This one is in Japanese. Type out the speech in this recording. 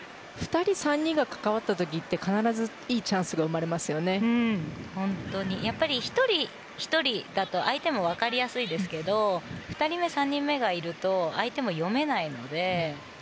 ２人、３人が関わった時って必ずいいチャンスが１人、１人だと相手も分かりやすいですけど２人目、３人目がいると相手も読めないので。